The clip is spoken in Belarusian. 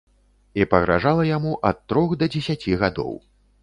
І пагражала яму ад трох да дзесяці гадоў.